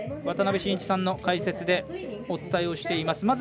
渡辺伸一さんの解説でお伝えしています。